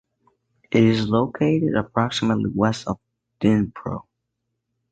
It is located approximately west of Dnipro.